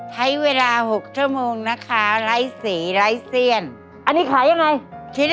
ใช้เวลา๖ชั่วโมงนะคะไร้สีไร้เซียนอันนี้ขอยังไงชิ้น